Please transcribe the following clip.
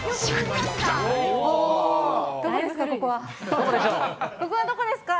おー、どこですか？